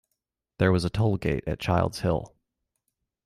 There was a tollgate at Childs Hill.